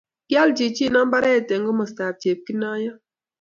kial chichin mbaret eng komostab Chepkinoiyo